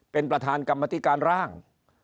เป็นประธานกรรมธิการร่าง